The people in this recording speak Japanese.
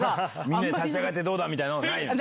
みんなで立ち上がってどうだみたいのはないの？